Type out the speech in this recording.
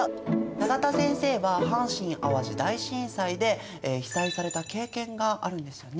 永田先生は阪神・淡路大震災で被災された経験があるんですよね？